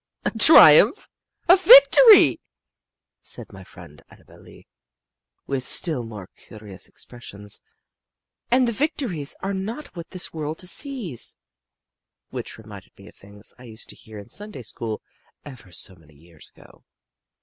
"A triumph? a victory!" said my friend Annabel Lee with still more curious expressions. "And the victories are not what this world sees" which reminded me of things I used to hear in Sunday school ever so many years ago.